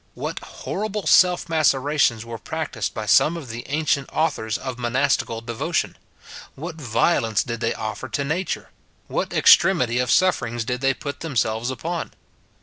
What horrible self mace rations were practised by some of the ancient authors of monastical devotion ! what violence did they offer to na ture ! what extremity of sufferings did they put them selves upon